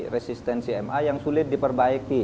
resistensi ma yang sulit diperbaiki